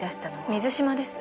水嶋です。